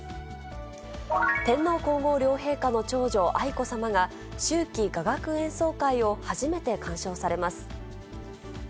天皇皇后両陛下の長女、愛子さまが秋季雅楽演奏会を初めて鑑賞されます。